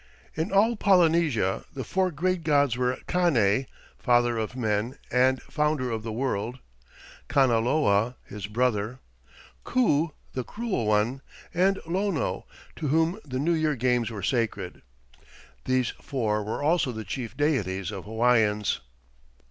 In all Polynesia the four great gods were Kane, "father of men and founder of the world," Kanaloa, his brother, Ku, the cruel one, and Lono, to whom the New Year games were sacred. These four were also the chief deities of Hawaiians.